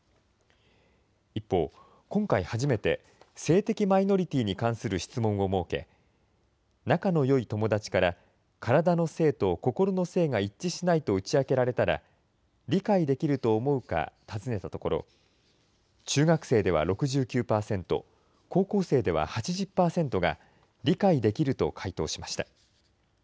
一方、今回初めて、性的マイノリティーに関する質問を設け、仲のよい友達からからだの性とこころの性が一致しないと打ち明けられたら、理解できると思うか尋ねたところ、中学生では６９％、高校生では８０％が理解できると回答しました。